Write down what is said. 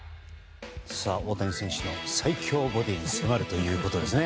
大谷選手の最強ボディーに迫るということですね。